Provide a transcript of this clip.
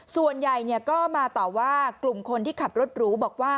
ส่วนใหญ่ก็มาต่อว่ากลุ่มคนที่ขับรถหรูบอกว่า